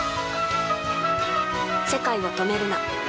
世界を、止めるな。